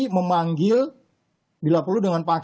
bisa memanggil bila perlu dengan paksa